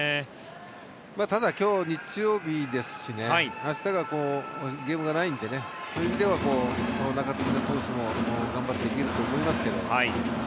ただ、今日日曜日ですし明日がゲームがないのでそういう意味では中継ぎの投手も頑張っていると思いますけど。